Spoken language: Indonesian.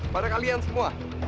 pada kalian semua